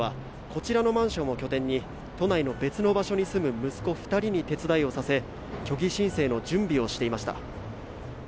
こちらのマンションを拠点に都内の別の場所に住む息子２人に手伝わせ虚偽申請の準備をしていました。